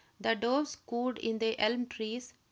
The doves cooed in the elm trees.